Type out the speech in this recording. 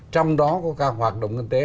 trong đó có các hoạt động kinh tế